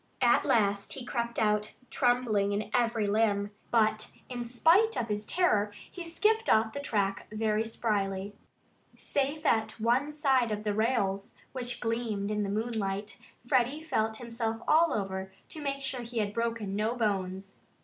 At last he crept out, trembling in every limb. But in spite of his terror he skipped off the track very spryly. Safe at one side of the rails, which gleamed in the moonlight, Freddie felt himself all over, to make sure that he had broken no bones.